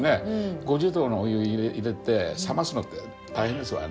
５０℃のお湯入れて冷ますのって大変ですわね。